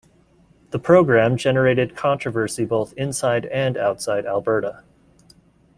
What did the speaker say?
The program generated controversy both inside and outside Alberta.